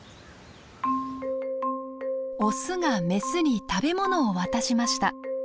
オスがメスに食べ物を渡しました。